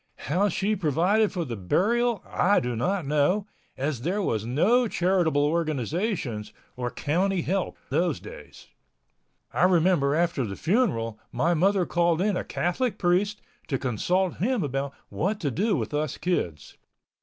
How she provided for the burial, I do not know, as there was no charitable organizations or county help those days. I remember after the funeral my mother called in a Catholic priest to consult him about what to do with us kids.